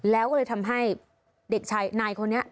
แล้วก็เลยทำให้เด็กชายนายคนนี้